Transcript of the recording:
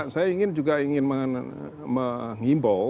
saya juga ingin mengimbau